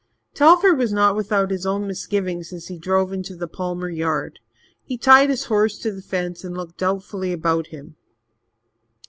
Telford was not without his own misgivings as he drove into the Palmer yard. He tied his horse to the fence and looked doubtfully about him.